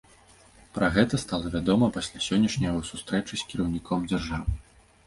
Пра гэта стала вядома пасля сённяшняй яго сустрэчы з кіраўніком дзяржавы.